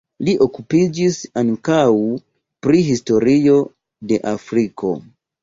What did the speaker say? Li okupiĝis ankaŭ pri historio de Afriko.